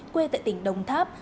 quê tại tỉnh đồng tháp